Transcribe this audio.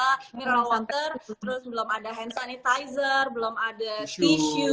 air putih mineral mineral water terus belum ada hand sanitizer belum ada tisu